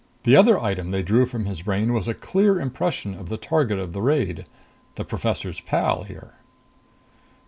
The other item they drew from his brain was a clear impression of the target of the raid the professor's pal here."